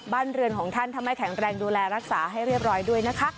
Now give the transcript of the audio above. บ้านเรือนของท่านถ้าไม่แข็งแรงดูแลรักษาให้เรียบร้อยด้วยนะคะ